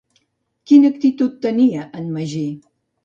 Quina actitud tenia en Magí?